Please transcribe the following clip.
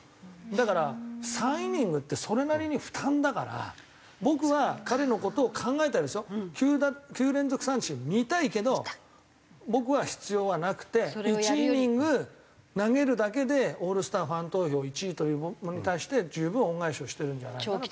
だから３イニングってそれなりに負担だから僕は彼の事を考えたらですよ９連続三振見たいけど僕は必要はなくて１イニング投げるだけでオールスターファン投票１位というものに対して十分恩返しをしてるんじゃないかなと。